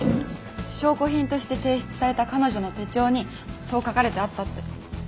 証拠品として提出された彼女の手帳にそう書かれてあったって。